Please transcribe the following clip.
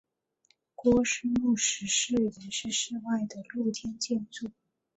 郭氏墓石祠原是室外的露天建筑。